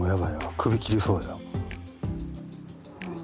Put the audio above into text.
首切りそうやろ。